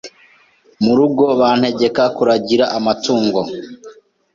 mu rugo bantegeka kuragira amatungo